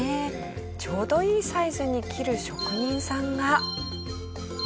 ちょうどいいサイズに切る職人さんが。